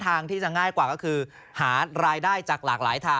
ทางที่จะง่ายกว่าก็คือหารายได้จากหลากหลายทาง